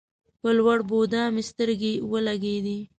په لوړ بودا مې سترګې ولګېدې.